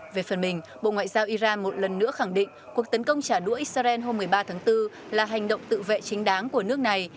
về phần mình bộ ngoại giao iran một lần nữa khẳng định cuộc tấn công trả đũa israel hôm một mươi ba tháng bốn là hành động tự vệ chính đáng của nước này